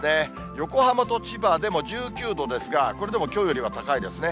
横浜と千葉でも１９度ですが、これでもきょうよりは高いですね。